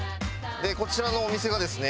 こちらのお店がですね